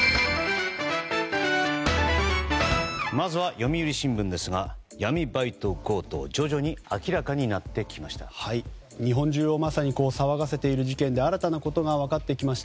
まずは読売新聞ですが闇バイト強盗徐々に明らかになってきました。